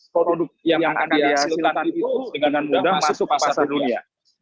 produk yang akan dia silakan itu dengan mudah masuk ke pasar dunia